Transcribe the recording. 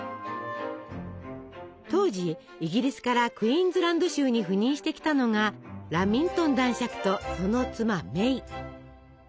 当時イギリスからクイーンズランド州に赴任してきたのがラミントン男爵とその妻メイ。